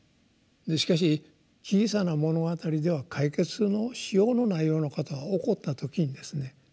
しかし「小さな物語」では解決のしようのないようなことが起こった時にですね